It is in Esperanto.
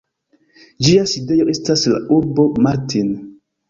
Ĝia sidejo estas la urbo Martin.